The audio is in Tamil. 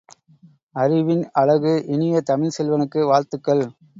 அறிவின் அழகு இனிய தமிழ்ச் செல்வனுக்கு, வாழ்த்துக்கள்!